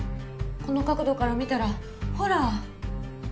この角度から見たらほら。